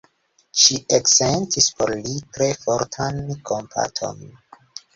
Ŝi eksentis por li tre fortan kompaton.